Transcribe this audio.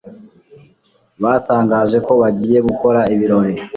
Batangaje ko bagiye gukora ibirori